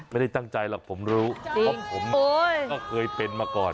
ไม่ได้ตั้งใจหรอกผมรู้เพราะผมก็เคยเป็นมาก่อน